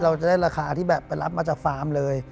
เราจะได้ราคาที่แบบไปรับมาจากฟาร์มเลย